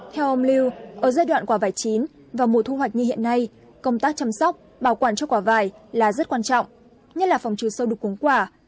theo ông lưu ở giai đoạn quả vải chín vào mùa thu hoạch như hiện nay công tác chăm sóc bảo quản cho quả vải là rất quan trọng nhất là phòng trừ sâu đục cúng quả